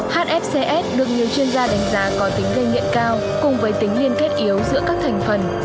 hfcs được nhiều chuyên gia đánh giá có tính gây nghiện cao cùng với tính liên kết yếu giữa các thành phần